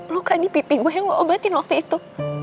luka di pipi gue yang lo obatin waktu itu